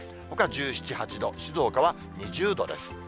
ほか１７、８度、静岡は２０度です。